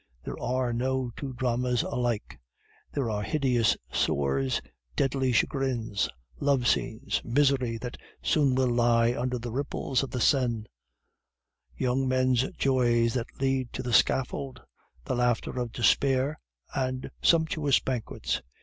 There are no two dramas alike: there are hideous sores, deadly chagrins, love scenes, misery that soon will lie under the ripples of the Seine, young men's joys that lead to the scaffold, the laughter of despair, and sumptuous banquets.